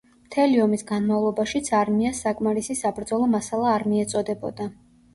მთელი ომის განმავლობაშიც არმიას საკმარისი საბრძოლო მასალა არ მიეწოდებოდა.